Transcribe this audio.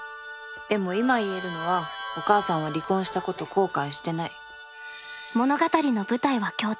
でも今言えるのはお母さんは離婚したこと後悔してない。